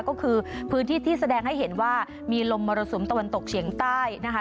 ก็คือพื้นที่ที่แสดงให้เห็นว่ามีลมมรสุมตะวันตกเฉียงใต้นะคะ